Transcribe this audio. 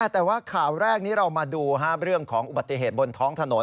แต่ว่าข่าวแรกนี้เรามาดูเรื่องของอุบัติเหตุบนท้องถนน